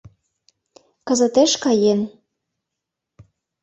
Кызытеш каен...